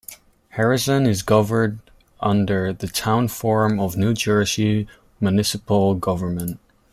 Harrison is governed under the Town form of New Jersey municipal government.